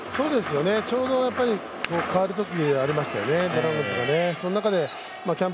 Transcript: ちょうど、かわるときがありましたよね。